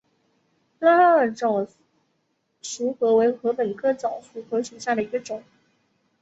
拉哈尔早熟禾为禾本科早熟禾属下的一个种。